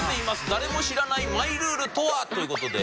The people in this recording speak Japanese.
誰も知らないマイルール」とは？という事で。